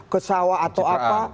ke sawah atau apa